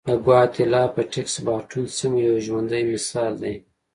د ګواتیلا پټېکس باټون سیمه یو ژوندی مثال دی.